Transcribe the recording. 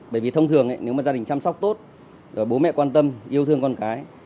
bởi vì thông thường nếu mà gia đình chăm sóc tốt bố mẹ quan tâm yêu thương con cái